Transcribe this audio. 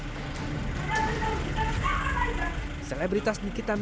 kalau saya mau berpikir pikir hilang lah pak hilang pak